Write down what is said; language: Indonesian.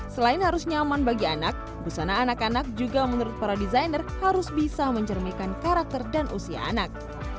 selain harus nyaman bagi anak busana anak anak juga menurut para desainer harus bisa mencerminkan karakter dan usia anak